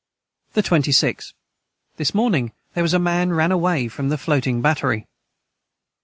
the 26. This morning their was a man ran away from the floating battery.